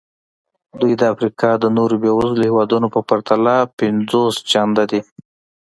دوی د افریقا د نورو بېوزلو هېوادونو په پرتله پنځوس چنده دي.